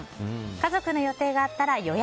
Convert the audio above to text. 家族の予定が合ったら予約。